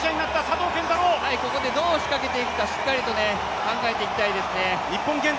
ここでどう仕掛けていくかしっかりと考えていきたいですね。